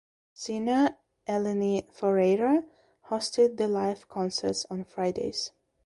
Singer Eleni Foureira hosted the live concerts on Fridays.